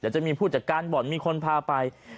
จะมีผู้จัดการบ่อนมีคนพาไป